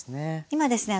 今ですね